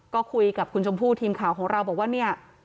ก็คุยกับคุณชมพู่ทีมข่าวของเราบอกว่าเนี่ย